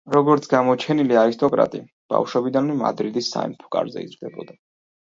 როგორც გამოჩენილი არისტოკრატი, ბავშვობიდანვე მადრიდის სამეფო კარზე იზრდებოდა.